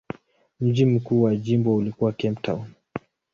Mji mkuu wa jimbo ulikuwa Cape Town.